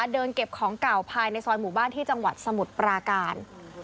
เดินเก็บของเก่าภายในซอยหมู่บ้านที่จังหวัดสมุทรปราการ